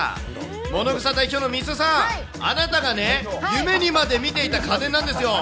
ものぐさ代表のみーすーさん、あなたがね、夢にまでみていた家電なんですよ。